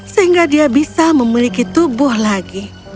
sehingga dia bisa memiliki tubuh lagi